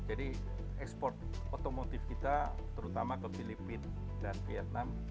jadi ekspor otomotif kita terutama ke filipina dan vietnam